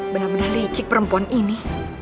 benar benar licik perempuan ini